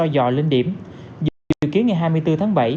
dự kiến ngày hai mươi bốn tháng bảy